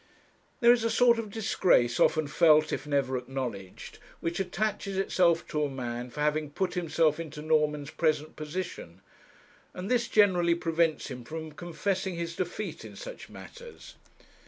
There is a sort of disgrace often felt, if never acknowledged, which attaches itself to a man for having put himself into Norman's present position, and this generally prevents him from confessing his defeat in such matters.